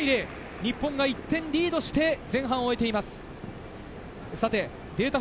日本が１点リードして前半を終えています。